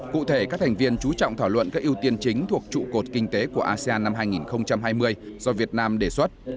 cụ thể các thành viên chú trọng thảo luận các ưu tiên chính thuộc trụ cột kinh tế của asean năm hai nghìn hai mươi do việt nam đề xuất